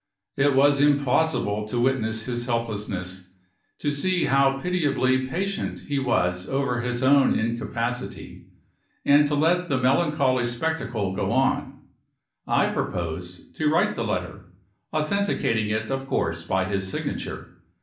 It was impossible to witness his helplessness, to see how pitiably patient he was over his own incapacity, and to let the melancholy spectacle go on. I proposed to write the letter; authenticating it, of course, by his signature.